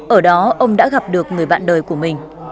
ở đó ông đã gặp được người bạn đời của mình